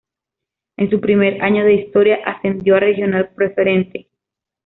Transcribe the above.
En su primer año de historia ascendió a Regional Preferente.